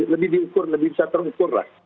lebih diukur lebih bisa terukur lah